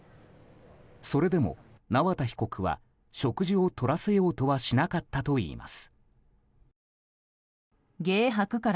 それでも、縄田被告は食事をとらせようとはしなかったといいます。